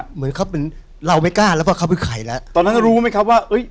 เหมือนเขาเป็นเราไม่กล้าแล้วว่าเขาเป็นใครแล้วตอนนั้นรู้ไหมครับว่าเอ้ย